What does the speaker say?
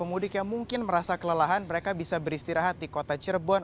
pemudik yang mungkin merasa kelelahan mereka bisa beristirahat di kota cirebon